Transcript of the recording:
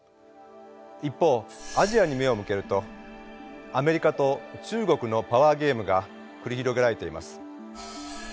一方アジアに目を向けるとアメリカと中国のパワーゲームが繰り広げられています。